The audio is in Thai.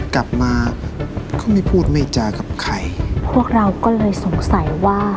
กลับมาเขาไม่พูดไม่จากับใครพวกเราก็เลยสงสัยว่า